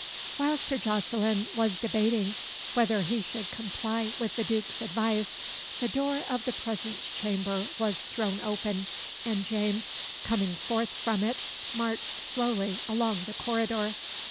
While Sir Jocelyn was debating whether he should comply with the Duke's advice, the door of the presence chamber was thrown open; and James, coming forth from it, marched slowly along the corridor.